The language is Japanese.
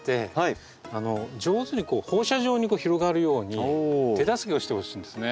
上手に放射状に広がるように手助けをしてほしいんですね。